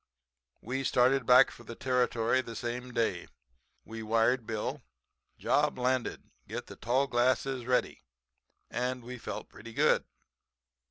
"We started back for the Territory the same day. We wired Bill: 'Job landed; get the tall glasses ready,' and we felt pretty good.